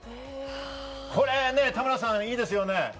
これね、田村さん、いいですよね。